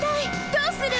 どうする！？